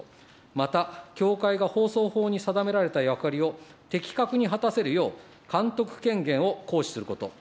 また、協会が放送法に定められた役割を的確に果たせるよう、監督権限を行使すること。